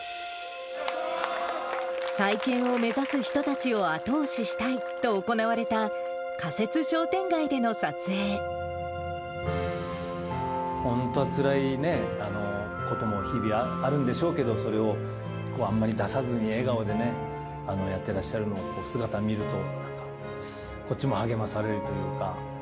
再建を目指す人たちを後押ししたいと行われた、本当はつらいね、ことも日々あるんでしょうけど、それをあんまり出さずに笑顔でね、やってらっしゃる姿を見ると、こっちも励まされるというか。